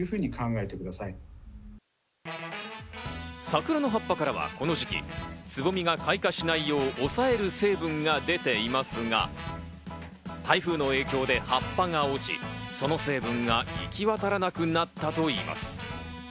桜の葉っぱからはこの時期、つぼみが開花しないよう抑える成分が出ていますが、台風の影響で葉っぱが落ち、その成分が行き渡らなくなったといいます。